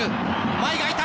前が空いた！